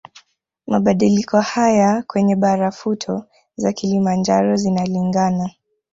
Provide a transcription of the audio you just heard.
Mabadiliko haya kwenye barafuto za Kilimanjaro zinalingana